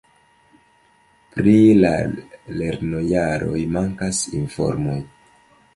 Pri la lernojaroj mankas informoj.